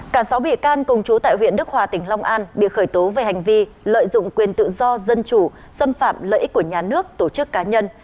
cả sáu bị can cùng chú tại huyện đức hòa tỉnh long an bị khởi tố về hành vi lợi dụng quyền tự do dân chủ xâm phạm lợi ích của nhà nước tổ chức cá nhân